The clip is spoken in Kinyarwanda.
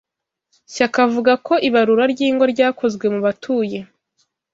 Shyaka avuga ko ibarura ry’ingo ryakozwe mu batuye